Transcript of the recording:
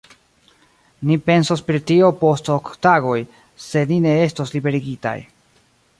Ni pensos pri tio post ok tagoj, se ni ne estos liberigitaj.